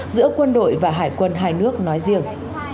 giữa quân đội và hải quân hai nước nói riêng